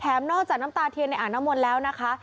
นอกจากน้ำตาเทียนในอ่างน้ำมนต์แล้วนะคะ